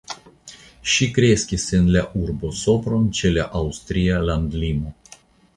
Ŝi kreskis en la urbo Sopron ĉe la aŭstria landlimo.